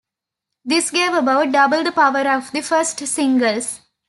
This gave about double the power of the first singles.